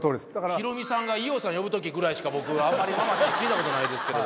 ヒロミさんが伊代さん呼ぶときぐらいしか僕あんまり「ママ」って聞いたことないですけど。